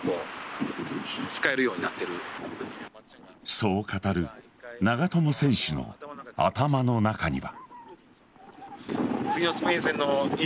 そう語る長友選手の頭の中には。